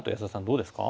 どうですか？